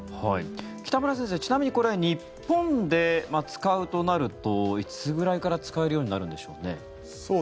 北村先生、ちなみにこれ日本で使うとなるといつぐらいから使えるようになるんでしょうね。